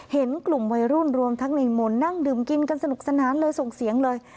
เห็นกลุ่มวัยรุ่นรวมทั้งในมนต์นั่งดื่มกินกันสนุกสนานเลยส่งเสียงเลย